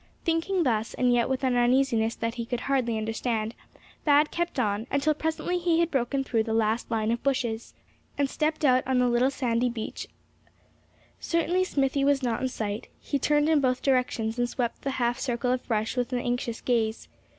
Thinking thus, and yet with an uneasiness that he could hardly understand, Thad kept on, until presently he had broken through the last line of bushes, and stepped out on the little sandy stretch of beach. Certainly Smithy was not in sight. He turned in both directions, and swept the half circle of brush with an anxious gaze.